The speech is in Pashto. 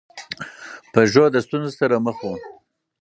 پژو د ستونزو سره مخ و.